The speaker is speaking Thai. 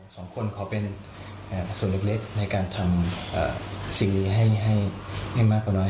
สองคนขอเป็นส่วนเล็กในการทำสิ่งนี้ให้ไม่มากกว่าน้อย